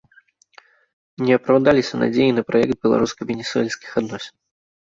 Не апраўдаліся надзеі і на праект беларуска-венесуэльскіх адносін.